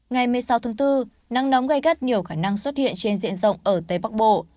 ngày một mươi sáu tháng bốn nắng nóng gây gắt nhiều khả năng xuất hiện trên diện rộng ở tây bắc bộ